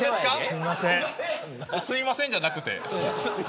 すいませんじゃなくて。